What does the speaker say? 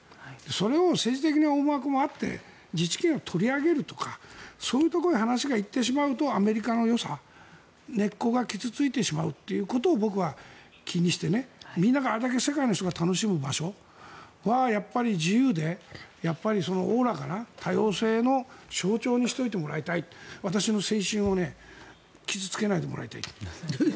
それを政治的な思惑もあって自治権を取り上げるとかそういうところに話が行ってしまうとアメリカのよさ根っこが傷付いてしまうことを僕は気にして、みんながあれだけ世界の人が楽しむ場所は自由で大らかな多様性の象徴にしておいてもらいたい私の青春を傷付けないでもらいたい。